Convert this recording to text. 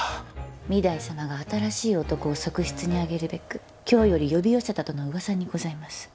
御台様が新しい男を側室に上げるべく京より呼び寄せたとの噂にございます。